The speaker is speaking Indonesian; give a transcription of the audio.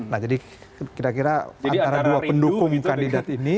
nah jadi kira kira antara dua pendukung kandidat ini